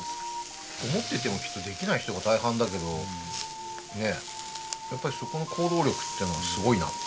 思っててもきっとできない人が大半だけどやっぱりそこの行動力っていうのはすごいなって。